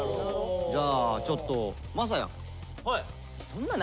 じゃあちょっと晶哉。